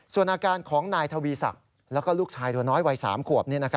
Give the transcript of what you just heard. ส่วนอาการของนายทวีศักดิ์แล้วก็ลูกชายตัวน้อยวัย๓ขวบ